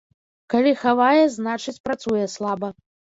Калі хавае, значыць, працуе слаба.